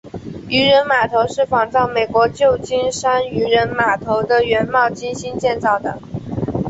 渔人码头是仿照美国旧金山渔人码头的原貌精心建造的。